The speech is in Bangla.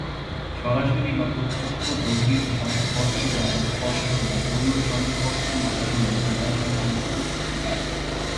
সরাসরি বা প্রত্যক্ষ দৈহিক সংস্পর্শ যেমন স্পর্শ বা যৌন সংস্পর্শের মাধ্যমে জীবাণুর সংবহন ঘটতে পারে।